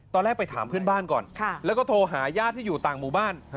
ตอนแรกไปถามเพื่อนบ้านก่อนแล้วก็โทรหาญาติที่อยู่ต่างหมู่บ้าน